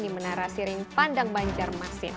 di menara siring pandang banjarmasin